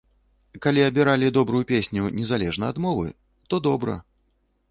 Калі абіралі добрую песню, незалежна ад мовы, то добра.